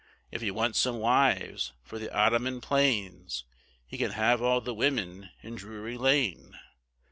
If he wants some wives for the ottoman plains He can have all the women in Drury Lane.